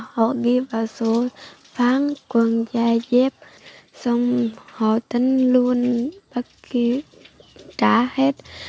họ ghi vào số phán quần giày dép xong họ tấn luôn bất kỳ trả hết